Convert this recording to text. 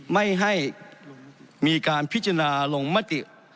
ไม่ให้มีการพิจารณาลงมติ